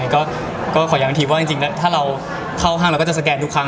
ก็ขอย้ำอีกทีว่าจริงถ้าเราเข้าห้างเราก็จะสแกนทุกครั้ง